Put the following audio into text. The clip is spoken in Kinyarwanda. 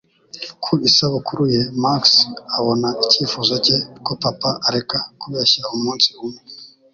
Ku isabukuru ye, Max abona icyifuzo cye ko papa areka kubeshya umunsi umwe